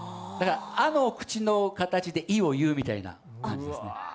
「あ」の口の方で「い」を言うみたいな感じですね。